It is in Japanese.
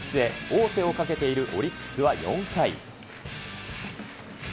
王手をかけているオリックスは４回。